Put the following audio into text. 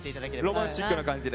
ロマンチックな感じでね。